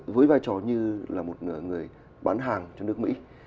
với vai trò như là một người bán hàng cho nước mỹ